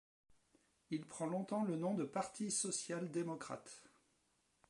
Il prend longtemps le nom de Parti social-démocrate.